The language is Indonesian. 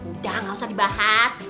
udah gak usah dibahas